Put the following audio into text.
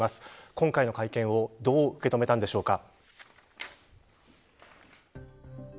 今回の会見をどう受け止めたんでしょうか。